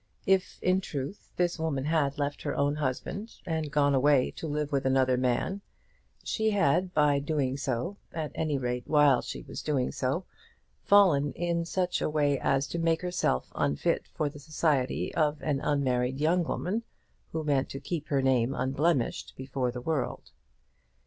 If, in truth, this woman had left her own husband and gone away to live with another man, she had by doing so, at any rate while she was doing so, fallen in such a way as to make herself unfit for the society of an unmarried young woman who meant to keep her name unblemished before the world.